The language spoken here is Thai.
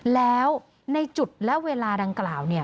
แล้วในจุดและเวลาดังกล่าว